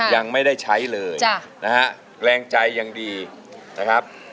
ยังไม่ได้ใช้เลยนะฮะแรงใจยังดีนะครับ